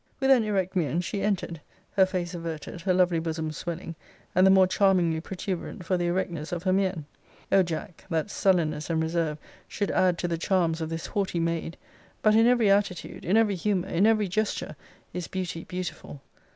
'With an erect mien she entered, her face averted, her lovely bosom swelling, and the more charmingly protuberant for the erectness of her mien. O Jack! that sullenness and reserve should add to the charms of this haughty maid! but in every attitude, in every humour, in every gesture, is beauty beautiful.